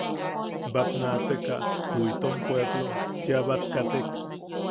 Batnaataka ju itom puepplo cheʼa bat katek.